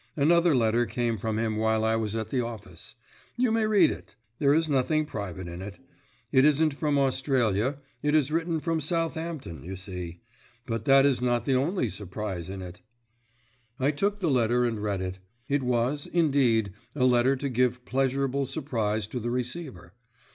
Another letter came from him while I was at the office. You may read it; there is nothing private in it. It isn't from Australia; it is written from Southampton, you see. But that is not the only surprise in it." I took the letter and read it. It was, indeed, a letter to give pleasurable surprise to the receiver.